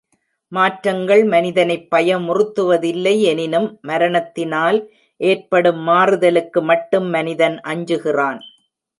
மாற்றங்கள் மனிதனைப் பயமுறுத்துவதில்லை எனினும், மரணத்தினால் ஏற்படும் மாறுதலுக்கு மட்டும் மனிதன் அஞ்சுகிறான்.